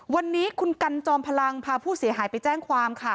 วันนี้คุณกันจอมพลังพาผู้เสียหายไปแจ้งความค่ะ